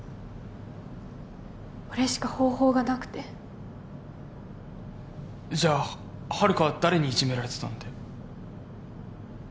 これしか方法がなくてじゃあ遙は誰にいじめられてたんだよ